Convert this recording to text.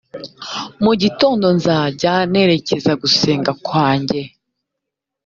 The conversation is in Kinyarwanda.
mu gitondo nzajya nerekeza gusenga kwanjye